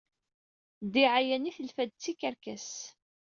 Ddiɛaya-nni telfa-d d tikerkas.